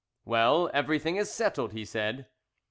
"Well, everything is settled," he said.